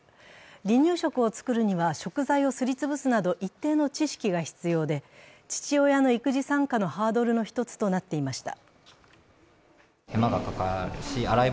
離乳食を作るには食材をすりつぶすなど一定の知識が必要で父親の育児参加のハードルの１つとなっていました。